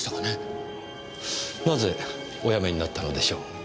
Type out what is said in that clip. なぜお辞めになったのでしょう？